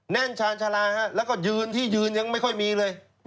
แน่นชาญชาลาแล้วก็ยืนที่ยืนยังไม่ค่อยมีเลย